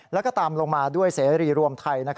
แล้วก็ตามลงมาด้วยเสรีรวมไทย